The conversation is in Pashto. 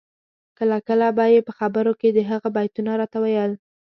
کله کله به یې په خبرو کي د هغه بیتونه راته ویل